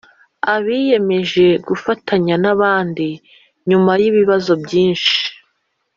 abiyemeje gufatanya n abandi nyuma y ibibazo byinshi